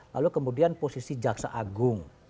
lalu kemudian posisi jaksa agung